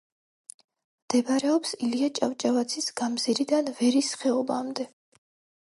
მდებარეობს ილია ჭავჭავაძის გამზირიდან ვერის ხეობამდე.